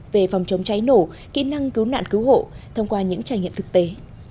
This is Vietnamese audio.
về phòng chống cháy nổ kỹ năng cứu nạn cứu hộ thông qua những trải nghiệm thực tế